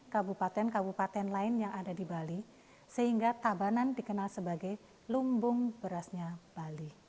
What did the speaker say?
kabupaten kabupaten lain yang ada di bali sehingga tabanan dikenal sebagai lumbung berasnya bali